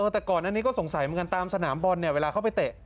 แต่ก่อนอันนี้ก็สงสัยเหมือนกันตามสนามบอลเนี่ยเวลาเขาไปเตะ